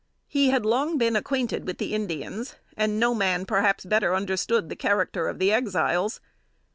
He had long been acquainted with the Indians, and no man perhaps better understood the character of the Exiles.